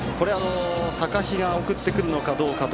高陽が送ってくるのかどうか。